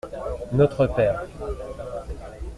Notre père.